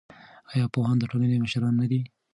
ایا پوهان د ټولنې مشران نه دي؟